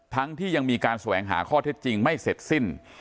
ทั้งที่ยังมีการแสวงหาข้อเท็จจริงไม่เสร็จสิ้น